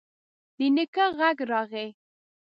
د نيکه غږ راغی: